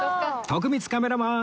徳光カメラマン